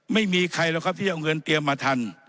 ไม่มีใครหรอกครับที่จะเอาเงินเตรียมมาทัน